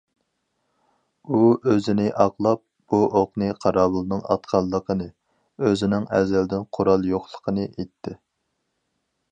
ئۇ ئۆزىنى ئاقلاپ، بۇ ئوقنى قاراۋۇلىنىڭ ئاتقانلىقىنى، ئۆزىنىڭ ئەزەلدىن قورال يوقلۇقىنى ئېيتتى.